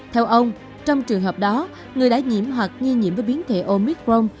theo ông trong trường hợp đó người đã nhiễm hoặc nghi nhiễm với biến thể omicron